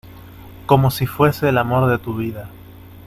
como si fuese el amor de tu vida.